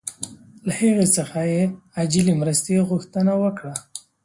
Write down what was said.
له هغه څخه یې عاجلې مرستې غوښتنه وکړه.